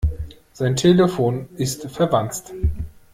Sein Telefon ist verwanzt.